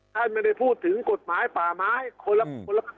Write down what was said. ท่านไม่ได้พูดถึงกฎหมายป่าไม้คนละคนละ